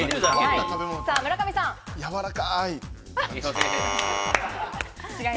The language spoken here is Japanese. やわらかい。